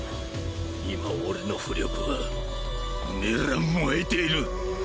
今俺の巫力はメラ燃えている。